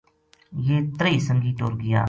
یہ تریہی سنگی ٹر گیا